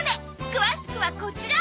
詳しくはこちら！